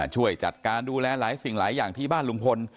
ช่วยจัดการดูแลหลายสิ่งหลายอย่างที่บ้านลุงพล